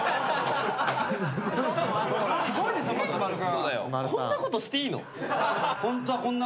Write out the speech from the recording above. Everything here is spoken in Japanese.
・すごいでしょ松丸君。